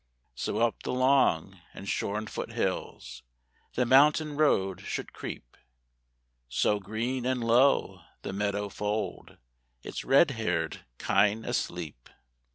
So up the long and shorn foot hills The mountain road should creep; So, green and low, the meadow fold Its red haired kine asleep.